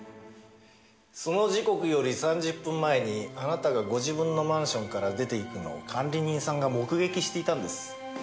その時刻より３０分前にあなたがご自分のマンションから出て行くのを管理人さんが目撃していたんです。